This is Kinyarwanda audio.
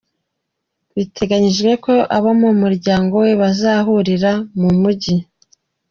Biteganyijwe ko abo mu muryango we bazahurira mu mujyi.